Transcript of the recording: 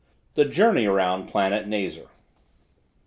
THE JOURNEY AROUND THE PLANET NAZAR.